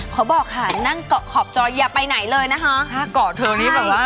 บอกค่ะนั่งเกาะขอบจออย่าไปไหนเลยนะคะถ้าเกาะเธอนี่แบบว่า